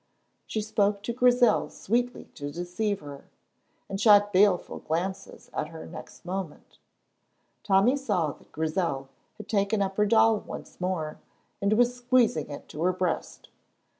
She spoke to Grizel sweetly to deceive her, and shot baleful glances at her next moment. Tommy saw that Grizel had taken up her doll once more and was squeezing it to her breast.